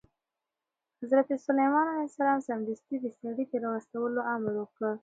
حضرت سلیمان علیه السلام سمدستي د سړي د راوستلو امر وکړ.